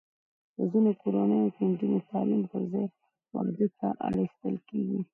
په ځینو کورنیو کې نجونې د تعلیم پر ځای واده ته اړ ایستل کېږي.